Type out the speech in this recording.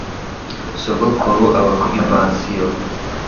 Sogokuru aba kuri pansiyo.